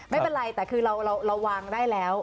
ไม่เป็นไรแต่เป็นค่ะเราก็หวังได้แล้ว